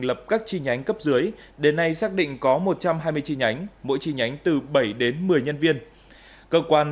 ở hà ward trên vn